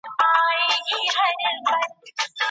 ايا واعظان بايد خپل مسئوليتونه ادا کړي؟